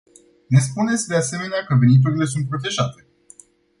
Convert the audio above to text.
Ne spuneți, de asemenea, că veniturile sunt protejate.